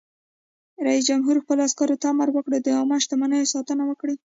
رئیس جمهور خپلو عسکرو ته امر وکړ؛ د عامه شتمنیو ساتنه وکړئ!